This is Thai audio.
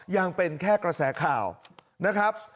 ยังเป็นแค่กระแสข่าวนะครับ